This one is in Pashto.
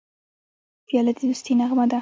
پیاله د دوستی نغمه ده.